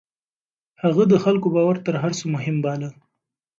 هغه د خلکو باور تر هر څه مهم باله.